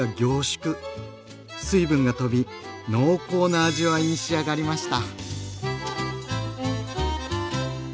水分が飛び濃厚な味わいに仕上がりました。